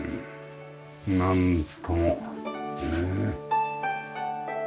なんともねえ。